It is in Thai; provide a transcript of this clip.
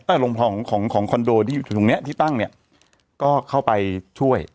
ลงคลองของของคอนโดที่อยู่ตรงเนี้ยที่ตั้งเนี่ยก็เข้าไปช่วย